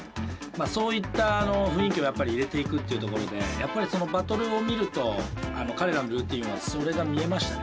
そういった雰囲気をやっぱり入れていくっていうところでやっぱりそのバトルを見ると彼らのルーティーンはそれが見えましたね。